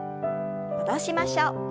戻しましょう。